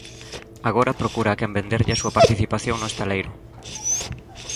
Agora procura a quen venderlle a súa participación no estaleiro.